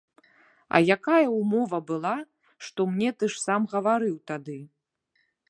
А якая ўмова была, што мне ты ж сам гаварыў тады?